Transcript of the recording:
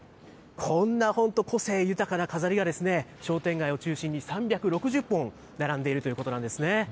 こんな本当、個性豊かな飾りが商店街を中心に３６０本、並んでいるということなんですね。